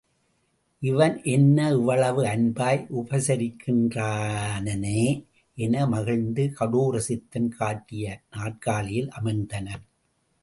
இவன் என்ன இவ்வளவு அன்பாய் உபசரிக்கின்றனனே என மகிழ்ந்து கடோர சித்தன் காட்டிய நாற்காலியில் அமர்ந்தனன்.